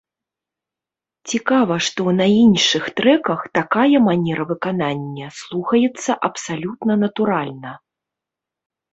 Цікава, што на іншых трэках такая манера выканання слухаецца абсалютна натуральна.